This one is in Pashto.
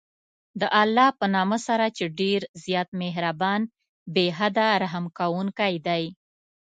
د الله په نامه سره چې ډېر زیات مهربان، بې حده رحم كوونكى دی.